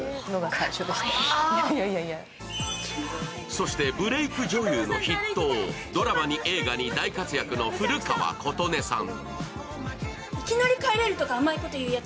そして、ブレーク女優の筆頭、ドラマに映画に大活躍の古川琴音さん。